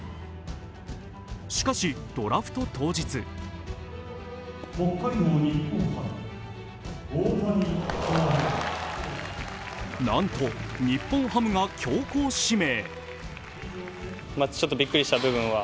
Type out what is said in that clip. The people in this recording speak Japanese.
しかし、ドラフト当日なんと、日本ハムが強行指名。